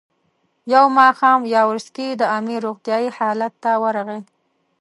یو ماښام یاورسکي د امیر روغتیایي حالت ته ورغی.